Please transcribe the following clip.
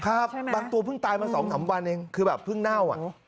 ใช่มั้ยบางตัวเพิ่งตายมาสองสามวันเองคือแบบเพิ่งเด้าอะ